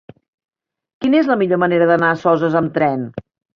Quina és la millor manera d'anar a Soses amb tren?